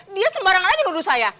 dia sembarangan aja nuduh saya